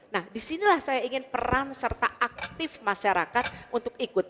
nah disinilah saya ingin peran serta aktif masyarakat untuk ikut